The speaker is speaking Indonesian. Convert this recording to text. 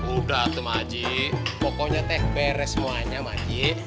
udah tuh maji pokoknya teh beres semuanya maji